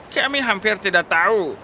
kami hampir tidak tahu